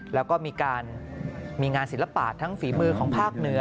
แล้วก็มีการมีงานศิลปะทั้งฝีมือของภาคเหนือ